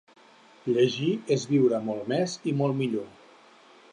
Llegir és viure molt més i molt millor.